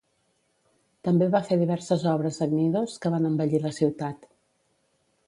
També va fer diverses obres a Cnidos que van embellir la ciutat.